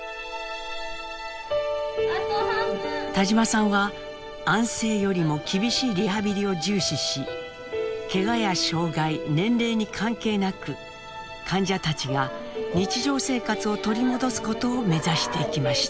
田島さんは安静よりも厳しいリハビリを重視しケガや障害年齢に関係なく患者たちが日常生活を取り戻すことを目指してきました。